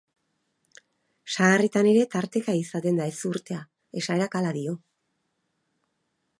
Sagarretan ere tarteka izaten da ezurtea, esaerak hala dio.